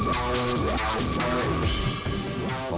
สวัสดีครับทุกคน